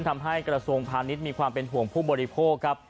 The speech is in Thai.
ทำให้กระทรวงพาณิชย์มีความเป็นห่วงผู้บริโภคครับ